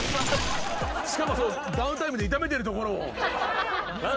しかもダウンタイムで痛めてるところを。